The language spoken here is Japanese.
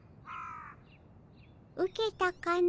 ウケたかの？